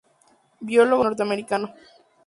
Biólogo teórico norteamericano.